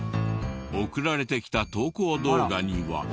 送られてきた投稿動画には。